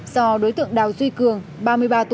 do đối tượng đào duy cường ba mươi ba tuổi